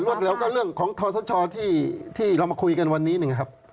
เร็วก็เรื่องของทศชที่เรามาคุยกันวันนี้นะครับ